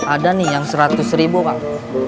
ada nih yang seratus ribu kang